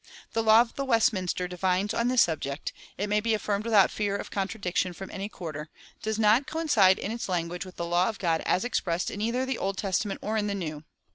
The law of the Westminster divines on this subject, it may be affirmed without fear of contradiction from any quarter, does not coincide in its language with the law of God as expressed either in the Old Testament or in the New.